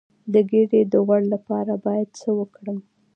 د ګیډې د غوړ لپاره باید څه وکړم؟